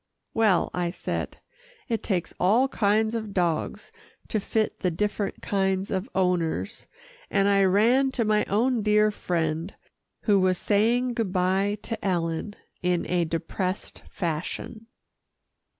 "Well," I said, "it takes all kinds of dogs to fit the different kinds of owners," and I ran to my own dear friend who was saying good bye to Ellen in a depressed fashion.